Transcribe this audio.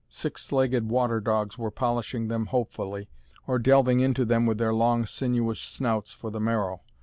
Six legged water dogs were polishing them hopefully, or delving into them with their long, sinuous snouts for the marrow.